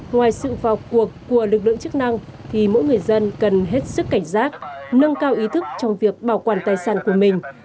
ngoài sự vào cuộc của lực lượng chức năng thì mỗi người dân cần hết sức cảnh giác nâng cao ý thức trong việc bảo quản tài sản của mình